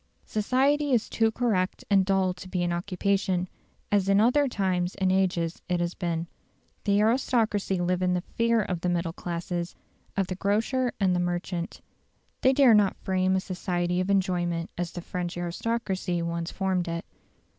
Society is too correct and dull to be an occupation, as in other times and ages it has been. The aristocracy live in the fear of the middle classes of the grocer and the merchant. They dare not frame a society of enjoyment as the French aristocracy once formed it.